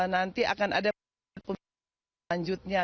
nanti akan ada proses selanjutnya